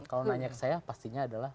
kalau nanya ke saya pastinya adalah